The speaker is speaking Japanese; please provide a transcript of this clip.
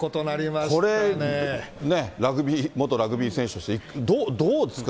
これね、ラグビー、元ラグビー選手として、どうですか？